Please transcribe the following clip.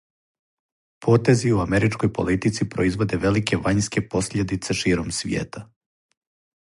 Потези у америчкој политици производе велике вањске посљедице широм свијета.